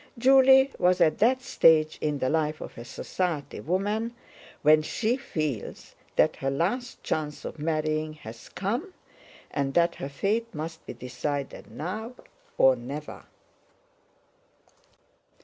Julie was at that stage in the life of a society woman when she feels that her last chance of marrying has come and that her fate must be decided now or never.